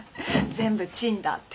「全部チンだ」って。